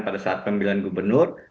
pada saat pemilihan gubernur